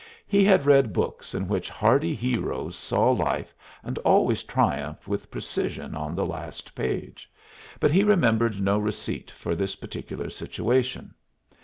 He had read books in which hardy heroes saw life, and always triumphed with precision on the last page, but he remembered no receipt for this particular situation.